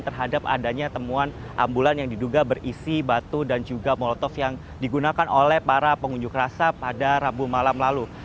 terhadap adanya temuan ambulan yang diduga berisi batu dan juga molotov yang digunakan oleh para pengunjuk rasa pada rabu malam lalu